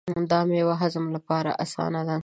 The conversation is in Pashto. دا مېوه د هضم لپاره اسانه ده.